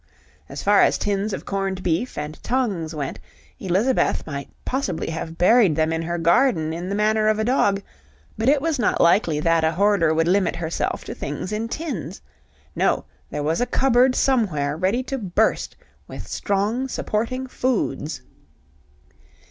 As far as tins of corned beef and tongues went, Elizabeth might possibly have buried them in her garden in the manner of a dog, but it was not likely that a hoarder would limit herself to things in tins. No: there was a cupboard somewhere ready to burst with strong supporting foods.